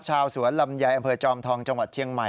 ชาวสวนลำไยอำเภอจอมทองจังหวัดเชียงใหม่